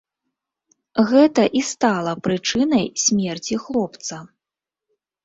Гэта і стала прычынай смерці хлопца.